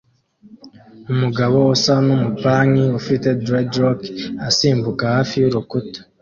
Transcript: Umugabo usa numupanki ufite dreadlock asimbuka hafi y'urukuta